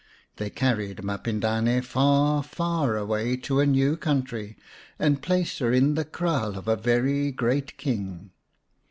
They carried Mapindane far far away to a new country, and placed her in the kraal of a very great King.